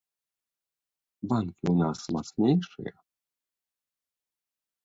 Банкі ў нас мацнейшыя?